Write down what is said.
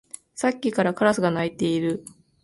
さっきからカラスが鳴いている